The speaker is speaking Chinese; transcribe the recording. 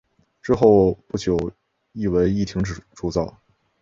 之后不久一文亦停止铸造。